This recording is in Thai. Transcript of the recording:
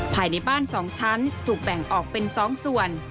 ภายในบ้าน๒ชั้นถูกแบ่งออกเป็น๒ส่วน